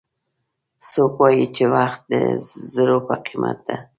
څوک وایي چې وخت د زرو په قیمت ده